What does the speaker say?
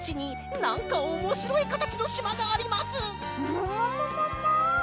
ももももも！